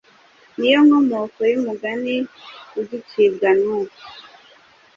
Ni yo nkomoko y’umugani ugicibwa n’ubu